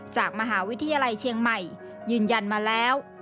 จากมหาวิทยาลัยเชียงใหม่ยืนยันมาแล้ว